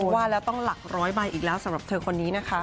ว่าแล้วต้องหลักร้อยใบอีกแล้วสำหรับเธอคนนี้นะคะ